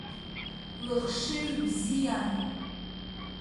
Лыхшыҩ бзиан.